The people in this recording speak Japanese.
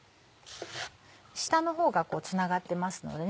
下の方がつながってますのでね